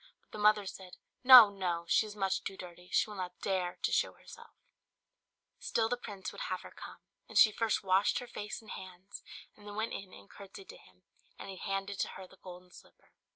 But the mother said, "No, no, she is much too dirty, she will not dare to show herself;" still the prince would have her come. And she first washed her face and hands, and then went in and curtsied to him, and he handed to her the golden slipper.